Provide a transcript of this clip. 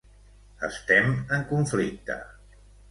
Estem en conflicte.